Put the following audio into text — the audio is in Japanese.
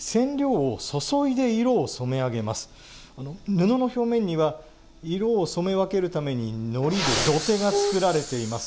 布の表面には色を染め分けるためにのりで土手がつくられています。